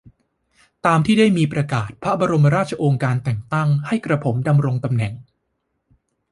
ตามที่ได้มีประกาศพระบรมราชโองการแต่งตั้งให้กระผมดำรงตำแหน่ง